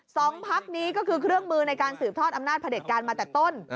สองพักนี้ก็คือเครื่องมือในการสืบทอดอำนาจพระเด็จการมาแต่ต้น